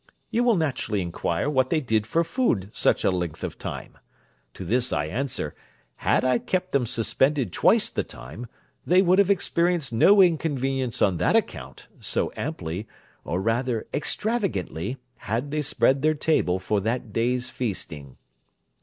You will naturally inquire what they did for food such a length of time? To this I answer, Had I kept them suspended twice the time, they would have experienced no inconvenience on that account, so amply, or rather extravagantly, had they spread their table for that day's feasting.